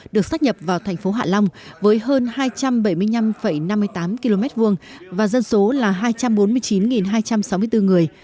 được xác nhập vào thành phố hạ long với hơn hai trăm bảy mươi năm năm mươi tám km hai và dân số là hai trăm bốn mươi chín hai trăm sáu mươi bốn người